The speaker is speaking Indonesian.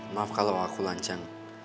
maaf kalau aku lancang